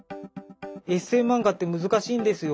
「エッセイ漫画って難しいんですよ。